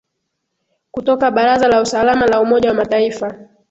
kutoka baraza la usalama la umoja wa mataifa